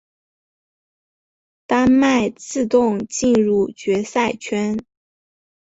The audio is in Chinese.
丹麦自动进入决赛圈。